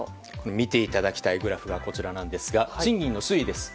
見ていただきたいグラフがこちらなんですが賃金の推移です。